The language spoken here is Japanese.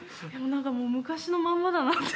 何かもう昔のまんまだなって。